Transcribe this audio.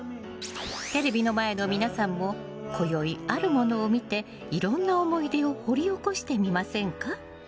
テレビの前の皆さんもこよい、あるものを見ていろんな思い出を掘り起こしてみませんか？